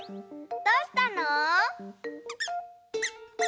どうしたの？